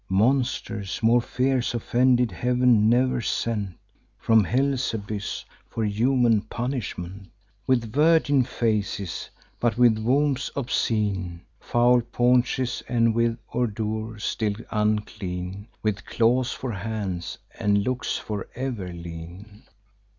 Monsters more fierce offended Heav'n ne'er sent From hell's abyss, for human punishment: With virgin faces, but with wombs obscene, Foul paunches, and with ordure still unclean; With claws for hands, and looks for ever lean.